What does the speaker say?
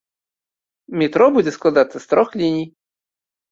Метро будзе складацца з трох ліній.